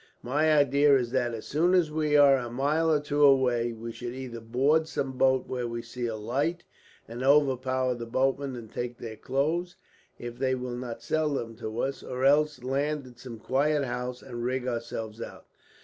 My idea is that, as soon as we are a mile or two away, we should either board some boat where we see a light, and overpower the boatmen and take their clothes, if they will not sell them to us; or else land at some quiet house, and rig ourselves out.